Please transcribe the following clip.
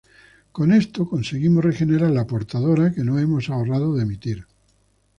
Con esto conseguimos regenerar la portadora que nos hemos ahorrado de emitir.